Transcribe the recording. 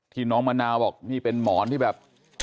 น้องมะนาวบอกนี่เป็นหมอนที่แบบ